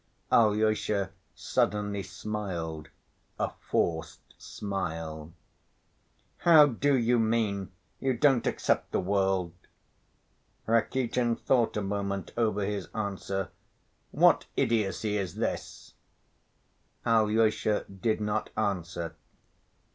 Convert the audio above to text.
" Alyosha suddenly smiled a forced smile. "How do you mean, you don't accept the world?" Rakitin thought a moment over his answer. "What idiocy is this?" Alyosha did not answer.